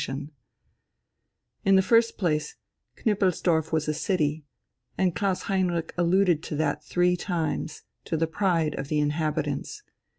In the first place, Knüppelsdorf was a city, and Klaus Heinrich alluded to that three times, to the pride of the inhabitants.